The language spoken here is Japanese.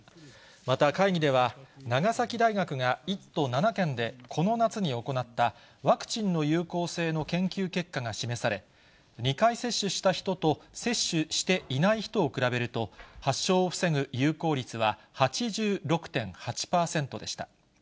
また、会議では、長崎大学が１都７県でこの夏に行った、ワクチンの有効性の研究結果が示され、２回接種した人と接種していない人を比べると、発症を防ぐ有効率は８６．８％でした。